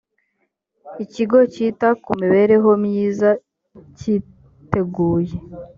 ikigo cyita ku mibereho myiza cyiteguye